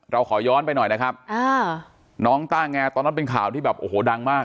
เราขอย้อนไปหน่อยนะครับอ่าน้องต้าแงตอนนั้นเป็นข่าวที่แบบโอ้โหดังมาก